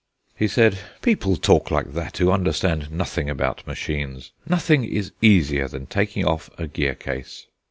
He said: "People talk like that who understand nothing about machines. Nothing is easier than taking off a gear case."